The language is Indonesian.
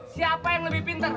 siapa yang lebih pinter